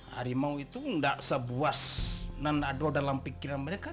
harimau itu gak sebuas dan ada dalam pikiran mereka